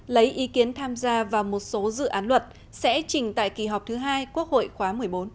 lấy ý kiến tham gia vào một số dự án luật sẽ trình tại kỳ họp thứ hai quốc hội khóa một mươi bốn